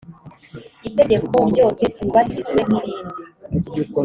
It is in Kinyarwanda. itegeko ryose ryubahirizwe nkirindi.